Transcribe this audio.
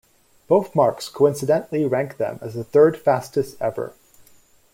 Both marks coincidentally rank them as the third fastest ever.